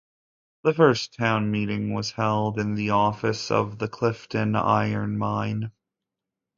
The first town meeting was held in the office of the Clifton Iron Mine.